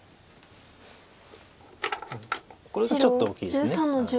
これがちょっと大きいです。